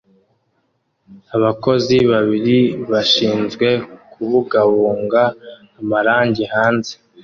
Abakozi babiri bashinzwe kubungabunga amarangi hanze